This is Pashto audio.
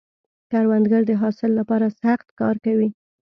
کروندګر د حاصل له پاره سخت کار کوي